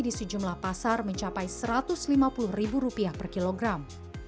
di sejumlah pasar mencapai rp satu ratus lima puluh per kilogram